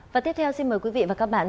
và tiếp theo xin mời quý vị và các bạn